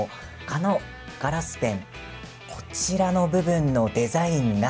ガラスペンのこちらの部分のデザイン